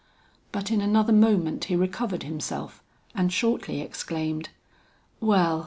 But in another moment he recovered himself and shortly exclaimed, "Well!